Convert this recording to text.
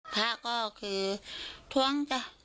พาก็คือท้วง